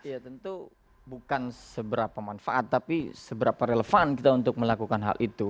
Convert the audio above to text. ya tentu bukan seberapa manfaat tapi seberapa relevan kita untuk melakukan hal itu